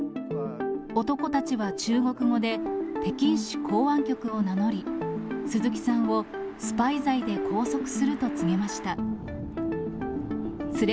男たちは中国語で、北京市公安局を名乗り、鈴木さんをスパイ罪で拘束すると告げました。